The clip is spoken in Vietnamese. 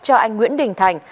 cho anh nguyễn đình thành